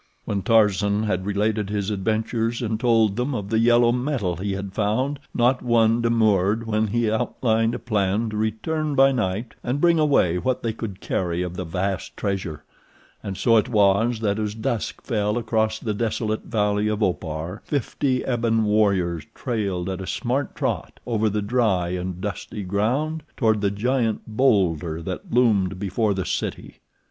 When Tarzan had related his adventures and told them of the yellow metal he had found, not one demurred when he outlined a plan to return by night and bring away what they could carry of the vast treasure; and so it was that as dusk fell across the desolate valley of Opar fifty ebon warriors trailed at a smart trot over the dry and dusty ground toward the giant bowlder that loomed before the city.